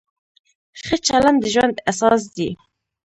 ښه چلند د ژوند اساس دی.